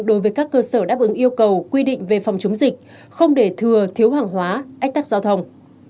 đối với các cơ sở đáp ứng yêu cầu quy định về phòng chống dịch không để thừa thiếu hàng hóa ách tắc giao thông